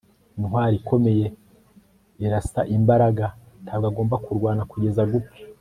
intwali ikomeye irasa imbaraga. ntabwo agomba kurwana kugeza gupfa